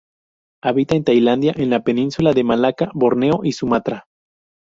Habita en Tailandia, en la Península de Malaca, Borneo y Sumatra.